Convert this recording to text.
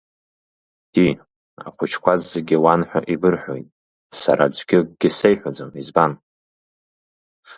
Ди, ахәыҷқәа зегьы уан ҳәа еибырҳәоит, сара аӡәгьы акгьы сеиҳәаӡом, избан?